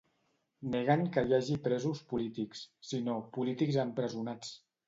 Neguen que hi hagi presos polítics, sinó "polítics empresonats".